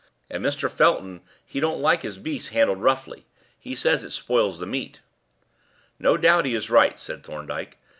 And Mr. Felton he don't like his beasts handled roughly. He says it spoils the meat." "No doubt he is right," said Thorndyke.